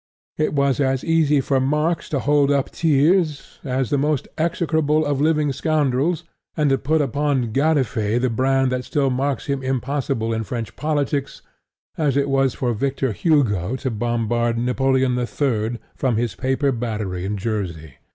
It was as easy for Marx to hold up Thiers as the most execrable of living scoundrels and to put upon Gallifet the brand that still makes him impossible in French politics as it was for Victor Hugo to bombard Napoleon III from his paper battery in Jersey.